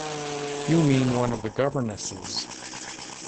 You mean one of the governesses.